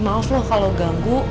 maaf loh kalau ganggu